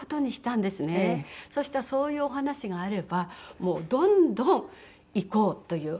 そしたらそういうお話があればどんどん行こうという。